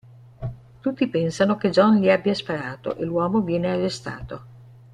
Tutti pensano che John gli abbia sparato e l'uomo viene arrestato.